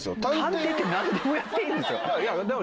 探偵ってなんでもやっていいんですか？